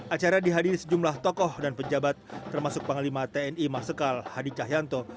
acara dihadiri sejumlah tokoh dan penjabat termasuk panglima tni mas sekal hadi cahyanto